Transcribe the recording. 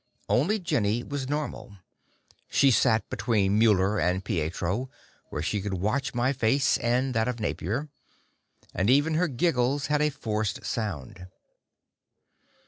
Only Jenny was normal; she sat between Muller and Pietro, where she could watch my face and that of Napier. And even her giggles had a forced sound.